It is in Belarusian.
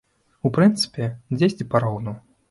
У прынцыпе, дзесьці пароўну.